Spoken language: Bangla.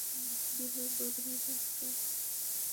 কীভাবে করবেন এই কাজটা?